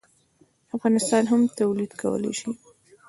افغانان هم تولید کولی شي.